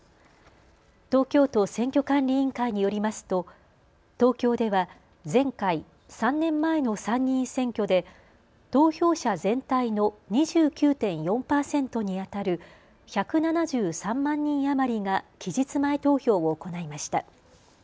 東京都選挙管理委員会によりますと東京では前回３年前の参議院選挙で投票者全体の２９．４％にあたる１７３万人余りが期日前投票を行いました。